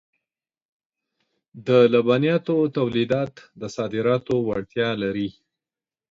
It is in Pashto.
د لبنیاتو تولیدات د صادراتو وړتیا لري.